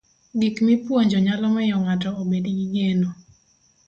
Gik mipuonjo nyalo miyo ng'ato obed gi geno.